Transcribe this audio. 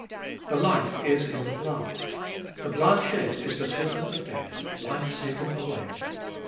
The life is in the blood. The blood shed is the token of death, life taken away.